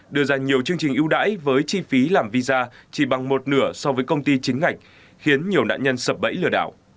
đưa ra nhiều chương trình ưu đãi với chi phí làm visa chỉ bằng một nửa so với công ty chính ngạch khiến nhiều nạn nhân sập bẫy lừa đảo